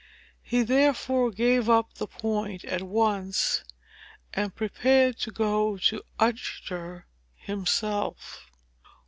He therefore gave up the point at once, and prepared to go to Uttoxeter himself.